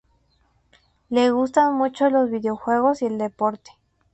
Le gustan mucho los videojuegos y el deporte.